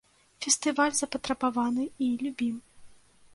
Фестываль запатрабаваны і любім.